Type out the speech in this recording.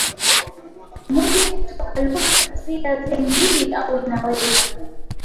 mwingi kutoka lugha katiya zile mbili au inaweza